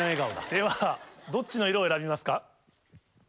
ではどっちの色を選びますか？